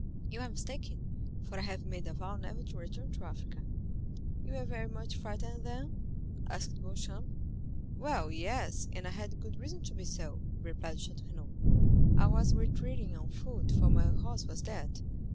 "You are mistaken, for I have made a vow never to return to Africa." "You were very much frightened, then?" asked Beauchamp. "Well, yes, and I had good reason to be so," replied Château Renaud. "I was retreating on foot, for my horse was dead.